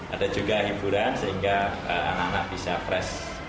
ada juga hiburan sehingga anak anak bisa fresh